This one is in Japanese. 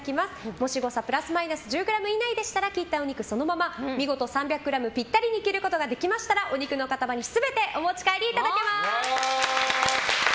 もし誤差プラスマイナス１０ｇ以内であれば切ったお肉をそのまま見事３００ｇぴったりに切ることができましたらお肉の塊全てお持ち帰りいただけます。